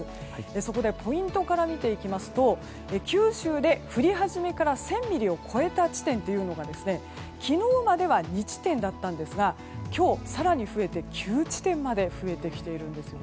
そこで、ポイントから見ていきますと九州で降り始めから１０００ミリを超えた地点が昨日までは２地点だったんですが今日、更に増えて９地点まで増えてきているんです。